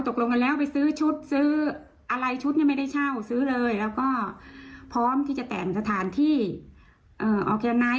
ตกลงกันแล้วไปซื้อชุดซื้ออะไรชุดยังไม่ได้เช่าซื้อเลยแล้วก็พร้อมที่จะแต่งสถานที่ออร์แกนไนท